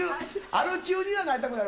アル中にはなりたくない。